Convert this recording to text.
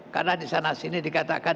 karena disana sini dikatakan